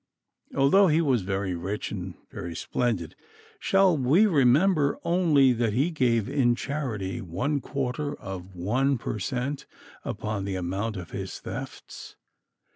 Although he was very rich and very splendid, shall we remember only that he gave in charity one quarter of one per cent. upon the amount of his thefts?